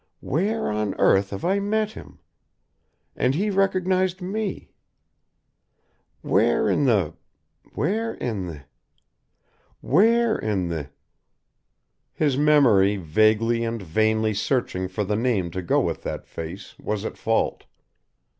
"Where on earth have I met him? and he recognised me where in the where in the where in the ?" His memory vaguely and vainly searching for the name to go with that face was at fault.